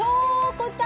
こちら。